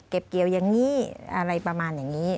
เกี่ยวอย่างนี้อะไรประมาณอย่างนี้